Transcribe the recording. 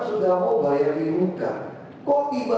tidak ada yang punya tv